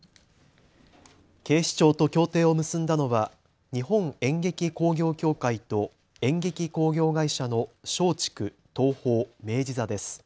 警視庁と協定を結んだのは日本演劇興行協会と演劇興行会社の松竹、東宝、明治座です。